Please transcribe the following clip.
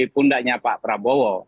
pundaknya pak prabowo